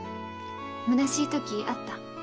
むなしい時あった？